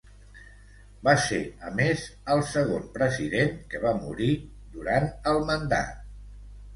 Va ser, a més, el segon president que va morir durant el mandat.